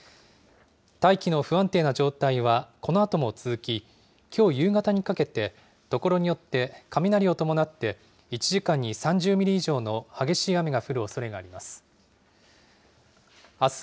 大気の不安定な状態はこのあとも続き、きょう夕方にかけて、所によって雷を伴って１時間に３０ミリ以上の激しい雨が降るおそれがあります。